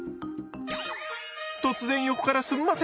突然横からすんません。